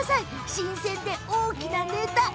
新鮮で大きなネタ。